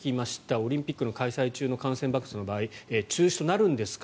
オリンピックの開催中の感染爆発の場合中止となるんですか。